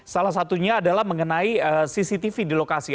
salah satunya adalah mengenai cctv di lokasi